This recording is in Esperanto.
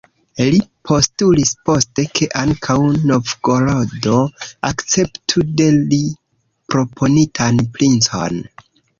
Li postulis poste, ke ankaŭ Novgorodo akceptu de li proponitan princon.